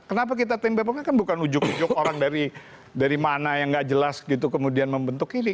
kenapa kita tim bepomnya kan bukan ujuk ujuk orang dari mana yang nggak jelas gitu kemudian membentuk ini